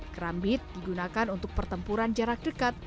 kerambit digunakan untuk pertempuran jarak dekat